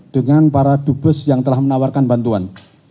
dengan para dubes yang telah menawarkan bantuan